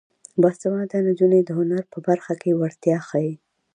باسواده نجونې د هنر په برخه کې وړتیا ښيي.